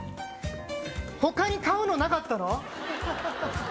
他に買うのなかったの？